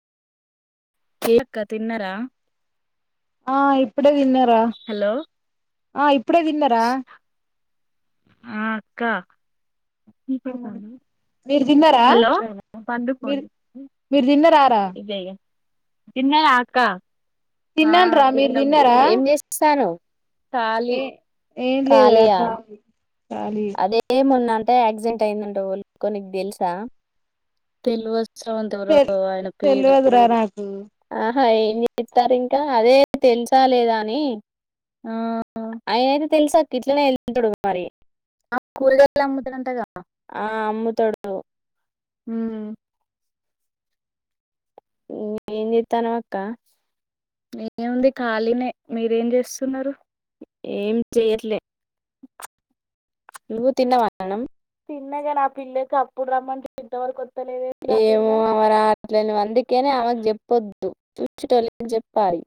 ఏ అక్క తిన్నారా ఆ ఇప్పుడే తిన్నారా హలో ఆ ఇప్ ఇప్పుడే తిన్నారా ఆ అక్క పెడతాను మీరు తిన్నారా హలో మీరు పండుకోండి. మీరు తిన్నారారా ఇదే తిన్న ఆ అక్క ఆ తిన్నాను రా మీరు తిన్నం తిన్నారా ఏం చేసిస్తన్నవ్ ఏ ఏం లేదరా ఖాళీయా అదే మన్నాన్ తే ఆక్ససిడెంట్ అయిందట ఎవల్కొ నికు తెలుసా తెల్వద్ శవంతపు తెల్ రావు ఆయన పేరు తెల్వదురా నాకు ఆ ఏం చేత్తారు ఇంకా అదే తెలుసా లేదా అని ఆ ఆయన అయితే తెలుసా అక్క ఇట్లనే వెలుతాడు మరి కూరగాయలు అమ్ముతాడంటగా ఆ అమ్ముతాడు. హుమ్ ఏం చేత్తానావు అక్క ఏముంది ఖాళీనే మీరేం చేస్తున్నరు. ఏం చెయట్లే నువ్వు తిన్నావా అన్నం. తిన్నగాని ఆ పిల్లకి అప్పుడు రమ్మంట ఇంతవరకు వత్తలే. ఏమో మరి అట్ని అందుకనే ఆమెకు చెప్పొద్దు. చూటోళ్ళకి చెప్పాలి.